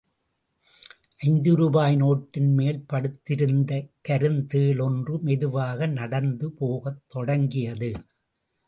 ஐந்து ரூபாய் நோட்டின் மேல் படுத்திருந்த கருந்தேள் ஒன்று மெதுவாக நடந்து போகத் தொடங்கியது.